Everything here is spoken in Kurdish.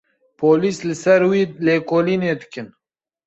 Polîs li ser wî lêkolînê dikin.